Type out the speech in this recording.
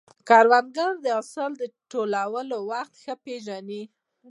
کروندګر د حاصل راټولولو وخت ښه پېژني